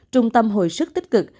trung tâm hồi sức tích cực